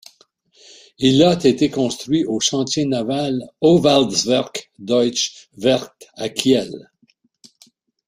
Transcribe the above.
Il a été construit au chantier naval Howaldtswerke-Deutsche Werft à Kiel.